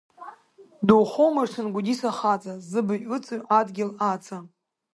Духомыршҭит Гәдиса хаҵа, зыбаҩ ыҵоу адгьыл аҵа.